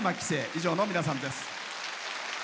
以上の皆さんです。